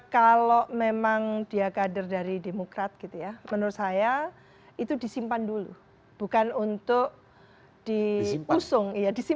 kalau memang dia kader dari demokrat gitu ya menurut saya itu disimpan dulu bukan untuk diusung